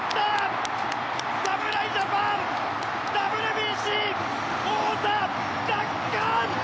侍ジャパン、ＷＢＣ王座奪還！